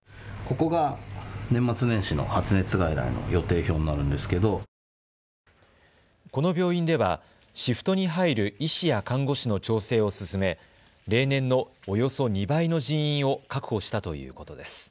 この病院ではシフトに入る医師や看護師の調整を進め例年の、およそ２倍の人員を確保したということです。